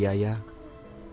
selain terhalang masalah mimpi